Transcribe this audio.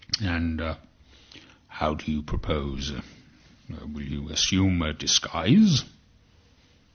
And how do you propose—Will you assume a disguise?"